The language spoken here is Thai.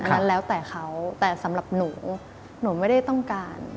อันนั้นแล้วแต่เขาแต่สำหรับหนูหนูไม่ได้ต้องการ